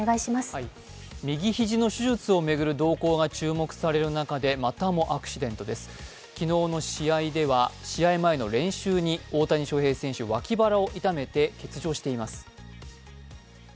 右肘の手術を巡る動向が注目される中でまたもアクシデントです、昨日の試合では試合前の練習に大谷翔平選手、脇腹を痛めて欠場しています。